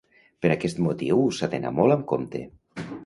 Per aquest motiu s’ha d’anar molt amb compte.